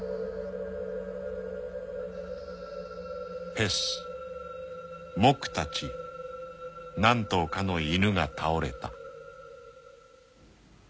［ペスモクたち何頭かの犬が倒れた］